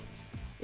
ya kembali ke situ